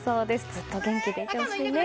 ずっと元気でいてほしいね。